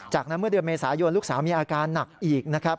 จากนั้นเมื่อเดือนเมษายนลูกสาวมีอาการหนักอีกนะครับ